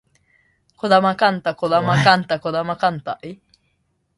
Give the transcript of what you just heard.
児玉幹太児玉幹太児玉幹太